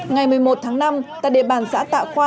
ngày một mươi một tháng năm tại địa bàn xã tạ khoa